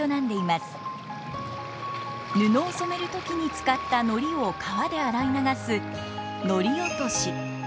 布を染める時に使った糊を川で洗い流す糊落とし。